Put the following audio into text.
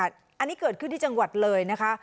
อันนี้เกิดขึ้นที่จังหวัดเลยนะคะ